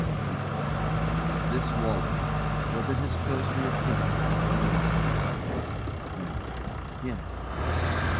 KEITH. This Walenn was it his first reappearance after an absence? LARRY. Yes.